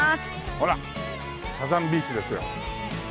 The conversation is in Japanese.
ほらサザンビーチですよ。